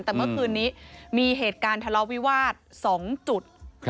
แต่เมื่อคืนนี้มีเหตุการณ์ทะเลาะวิวาส๒จุด